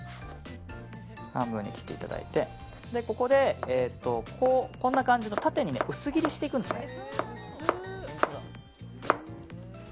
半分に切っていただいてここでこんな感じの縦に薄切りにしていくんですね。